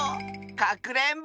かくれんぼ！